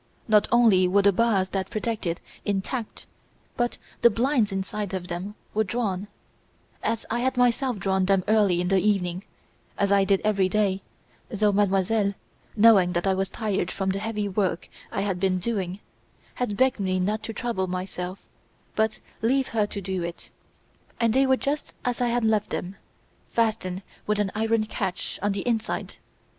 Not only were the bars that protect it intact, but the blinds inside of them were drawn, as I had myself drawn them early in the evening, as I did every day, though Mademoiselle, knowing that I was tired from the heavy work I had been doing, had begged me not to trouble myself, but leave her to do it; and they were just as I had left them, fastened with an iron catch on the inside.